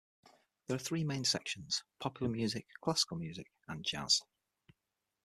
There are three main sections - popular music, classical music, and jazz.